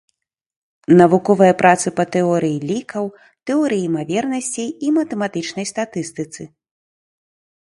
Навуковыя працы па тэорыі лікаў, тэорыі імавернасцей і матэматычнай статыстыцы.